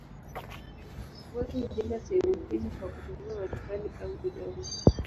Watu hujenga sehemu hizo kwa kutumia matofali au udongo.